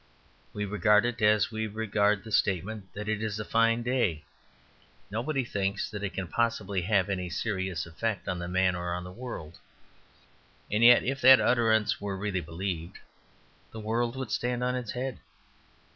We regard it as we regard the statement that it is a fine day; nobody thinks that it can possibly have any serious effect on the man or on the world. And yet if that utterance were really believed, the world would stand on its head.